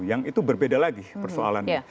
yang itu berbeda lagi persoalannya